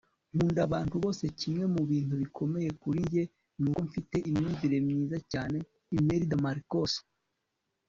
nkunda abantu bose. kimwe mu bintu bikomeye kuri njye ni uko mfite imyumvire myiza cyane. - imelda marcos